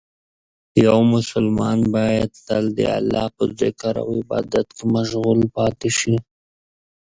یو مسلمان باید تل د الله په ذکر او عبادت کې مشغول پاتې شي.